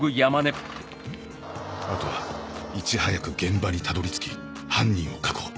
あとはいち早く現場にたどり着き犯人を確保